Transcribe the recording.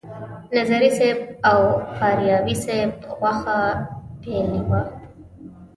نظري صیب او فاریابي صیب غوښه پیلې وه.